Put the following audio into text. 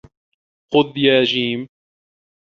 خذ يا جيم.